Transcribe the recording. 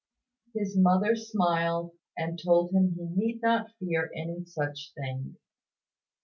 His mother smiled, and told him he need not fear any such thing.